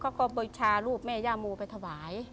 เขาก็บริชารูปแม่ย่ามูไปถวาย